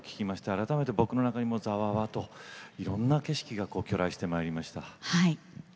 改めて僕の中にもざわっといろんな景色が去来してまいりました。